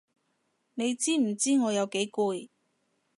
你知唔知我有幾攰？